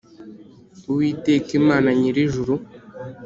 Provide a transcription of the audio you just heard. Uwiteka Imana nyir’ijuru.